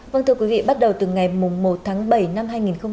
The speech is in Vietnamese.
vâng thưa quý vị bắt đầu từ ngày một tháng bảy năm hai nghìn một mươi sáu